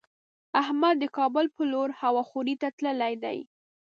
احمد د کابل په لور هوا خورۍ ته تللی دی.